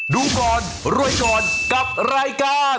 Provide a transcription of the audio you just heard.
ดูก่อนรวยก่อนกับรายการ